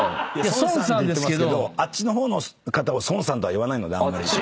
「孫さん」って言ってますけどあっちの方の方を「孫さん」とは言わないのであんまり。